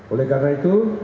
oleh karena itu